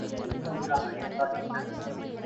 எந்த ஊராக இருந்தால் என்ன?